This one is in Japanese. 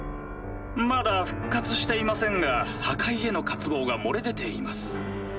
まだ復活していませんが破壊への渇望が漏れ出ています。